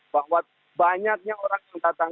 bahwa banyaknya orang yang datang